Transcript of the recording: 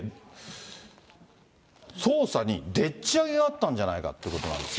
で、捜査にでっちあげがあったんじゃないかってことなんです